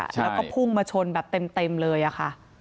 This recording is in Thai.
แล้วก็พุ่งมาชนแบบเต็มเลยค่ะ